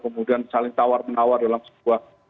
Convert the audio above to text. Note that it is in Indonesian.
kemudian saling tawar menawar dalam sebuah